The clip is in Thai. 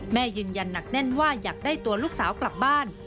แม่ยืนยันหนักแน่นว่าอยากได้ตัวลูกสาวกลับบ้าน